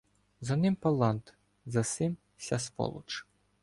За ним Паллант, за сим вся сволоч